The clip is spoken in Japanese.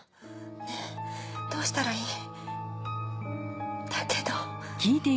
ねぇどうしたらいい？だけど。